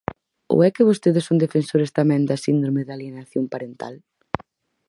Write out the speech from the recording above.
¿Ou é que vostedes son defensores tamén da síndrome de alienación parental?